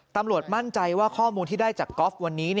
ตำรวจมั่นใจว่าข้อมูลที่ได้จากกอล์ฟวันนี้